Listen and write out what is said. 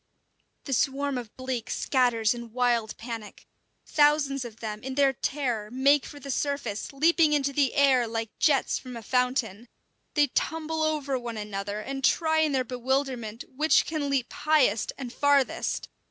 The swarm of bleak scatters in wild panic. Thousands of them, in their terror, make for the surface, leaping into the air like jets from a fountain. They tumble over one another and try in their bewilderment which can leap highest and farthest.